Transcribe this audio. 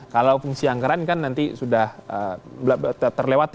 kalau fungsi anggaran kan nanti sudah terlewati